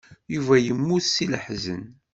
Yuba yemmut seg leḥzen.